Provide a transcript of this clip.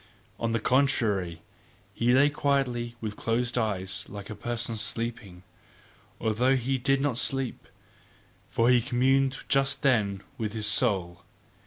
On the contrary, he lay quietly with closed eyes like a person sleeping, although he did not sleep; for he communed just then with his soul.